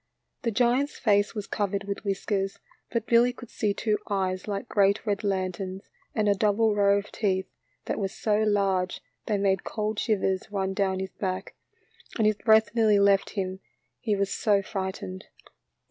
The giant's face was covered with whiskers, but Billy could see two eyes like great red lanterns, and a double row of teeth that were so large they made cold shivers run down his back, and his breath nearly left him he was so frightened.